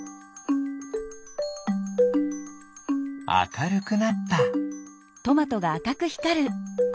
あかるくなった。